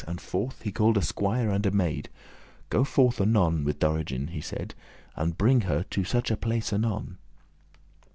And forth he call'd a squier and a maid. "Go forth anon with Dorigen," he said, "And bringe her to such a place anon."